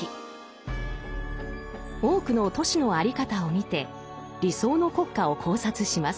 多くの都市の在り方を見て理想の国家を考察します。